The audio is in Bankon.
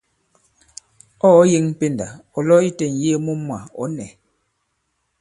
Ɔ̂ ɔ̀ yeŋ pendà ɔ̀ lo itē ì-ŋ̀yee mu mwà, ɔ̌ nɛ̄.